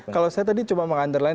kalau saya tadi cuma meng underline